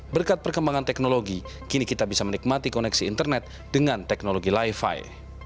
berkat perkembangan teknologi kini kita bisa menikmati koneksi internet dengan teknologi lifi